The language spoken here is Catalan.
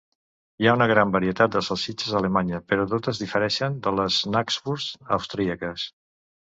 Hi ha una gran varietat de salsitxes a Alemanya, però totes difereixen de les 'Knackwurst' austríaques.